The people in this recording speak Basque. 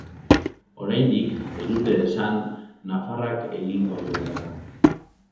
Oraindik ez dute esan nafarrak egingo duen lana.